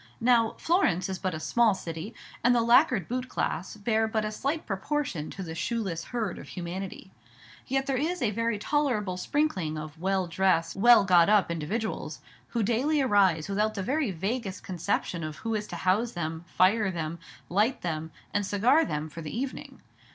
Now, Florence is but a small city, and the lacquered boot class bear but a slight proportion to the shoeless herd of humanity. Yet there is a very tolerable sprinkling of well dressed, well got up individuals, who daily arise without the very vaguest conception of who is to house them, fire them, light them, and cigar them for the evening.